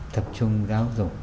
tập trung giáo dục